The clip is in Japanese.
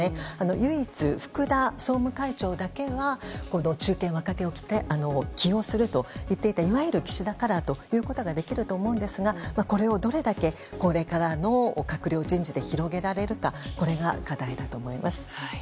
唯一、福田政調会長だけは中堅・若手を起用すると言っていたいわゆる岸田カラーということができると思うんですがこれをどれだけこれからの閣僚人事で広げられるかが課題だと思います。